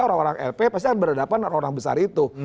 orang orang lp pasti akan berhadapan dengan orang besar itu